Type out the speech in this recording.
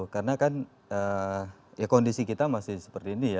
karena kan kondisi kita masih seperti ini